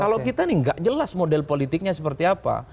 kalau kita ini nggak jelas model politiknya seperti apa